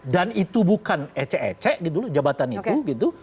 dan itu bukan ece ece gitu loh jabatan itu gitu